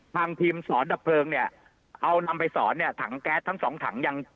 ทางทีมสอนดับเพลิงเนี่ยเอานำไปสอนเนี่ยถังแก๊สทั้งสองถังยัง